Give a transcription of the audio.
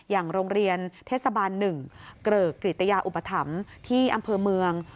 อย่างโรงเรียนเทศบาล๑เกริกกริตยาอุปถัมภ์ที่อำเภอเมือง